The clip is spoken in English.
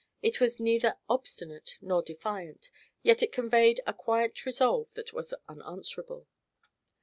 It was neither obstinate nor defiant, yet it conveyed a quiet resolve that was unanswerable.